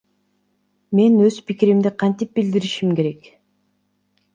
Мен өз пикиримди кантип билдиришим керек?